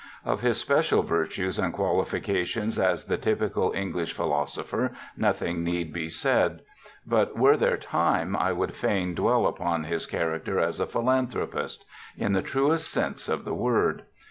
Of his special virtues and qualifications as the typical English philosopher nothing need be said, but were there time I would fain dwell upon his character as a philanthropist— in the truest sense of the word.